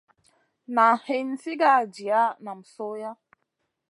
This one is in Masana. Na hin sigara jiya nam sohya.